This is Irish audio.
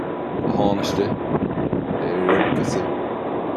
A Thánaiste, a Oirirceasa